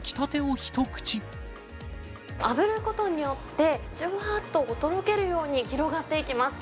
あぶることによって、じゅわーととろけるように広がっていきます。